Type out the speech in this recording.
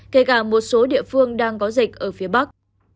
kể cả một số địa phương đang có dịch ở phía bắc